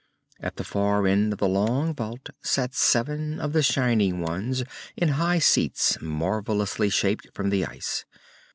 At the far end of the long vault sat seven of the shining ones in high seats marvellously shaped from the ice.